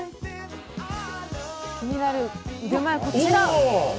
気になる腕前がこちら。